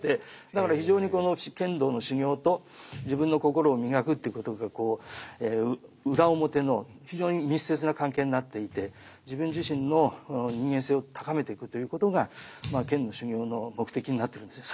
だから非常にこの剣道の修行と自分の心を磨くっていうことが裏表の非常に密接な関係になっていて自分自身の人間性を高めていくということがまあ剣の修行の目的になってるんですね